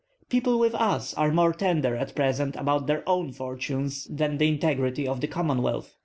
People with us are more tender at present about their own fortunes than the integrity of the Commonwealth.